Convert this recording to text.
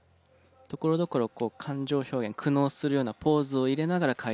ところどころ感情表現苦悩するようなポーズを入れながら回転している。